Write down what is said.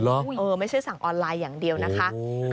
รึเปล่าไม่ใช่สั่งออนไลน์อย่างเดียวนะคะโอ้โห